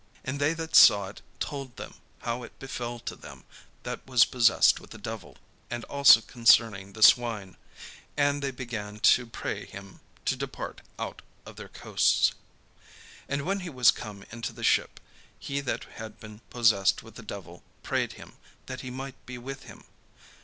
And they that saw it told them how it befell to him that was possessed with the devil, and also concerning the swine. And they began to pray him to depart out of their coasts. And when he was come into the ship, he that had been possessed with the devil prayed him that he might be with him.